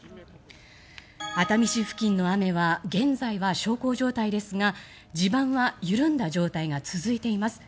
熱海市付近の雨は現在は小康状態ですが地盤は緩んだ状態が続いています。